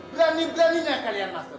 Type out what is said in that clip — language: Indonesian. berani beraninya kalian masuk